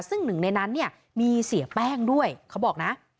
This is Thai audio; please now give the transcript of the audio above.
ซึ่งหนึ่งในนั้นเนี่ยมีเสียแป้งด้วยเขาบอกนะ